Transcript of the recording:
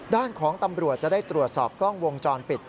ด้านของตำรวจจะได้ตรวจสอบกล้องวงจรปิด